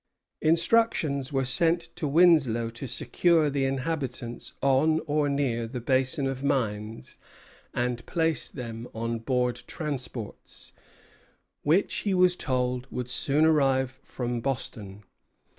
Instructions were sent to Winslow to secure the inhabitants on or near the Basin of Mines and place them on board transports, which, he was told, would soon arrive from Boston.